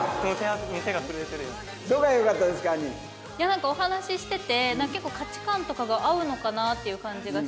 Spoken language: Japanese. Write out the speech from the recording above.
なんかお話ししてて結構価値観とかが合うのかな？っていう感じがして。